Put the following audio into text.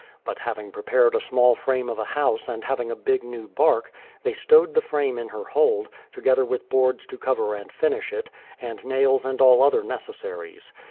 But hav ing prepared a small frame of a house and having a big new bark, they stowed the frame in her hold, together with boards to cover and finish it, and nails and all other neces THE PLYMOUTH SETTLEMENT 251 saries.